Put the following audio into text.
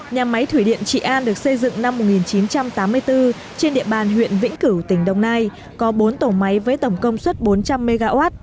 nhà máy thủy điện trị an được xây dựng năm một nghìn chín trăm tám mươi bốn trên địa bàn huyện vĩnh cửu tỉnh đồng nai có bốn tổ máy với tổng công suất bốn trăm linh mw